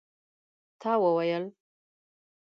تا وویل?